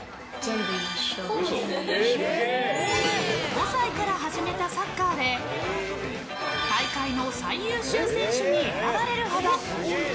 ５歳から始めたサッカーで大会の最優秀選手に選ばれるほど。